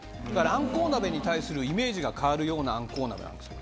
あんこう鍋に対するイメージが変わるようなあんこう鍋なんです。